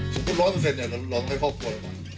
สมมุติร้อนเป็นเศรษฐ์เราร้อนให้ครอบครัวเลย